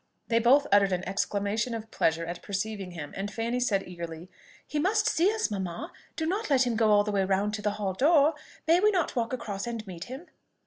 They both uttered an exclamation of pleasure at perceiving him, and Fanny said eagerly, "He must see us, mamma! Do not let him go all the way round to the hall door! May we not walk across and meet him?"